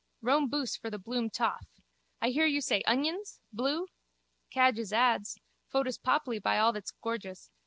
Rome boose for the Bloom toff. I hear you say onions? Bloo? Cadges ads. Photo's papli, by all that's gorgeous.